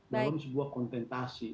dalam sebuah kontentasi